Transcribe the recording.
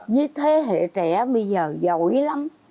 với thế hệ trẻ bây giờ giỏi lắm